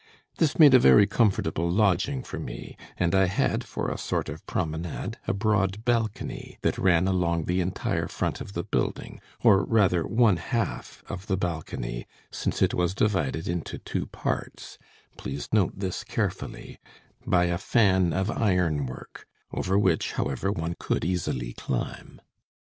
This made a very comfortable lodging for me, and I had, for a sort of promenade, a broad balcony that ran along the entire front of the building, or rather one half of the balcony, since it was divided into two parts (please note this carefully) by a fan of ironwork, over which, however, one could easily climb.